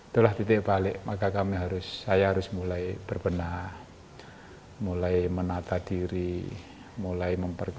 itulah titik balik maka kami harus saya harus mulai berbenah mulai menata diri mulai memperbaiki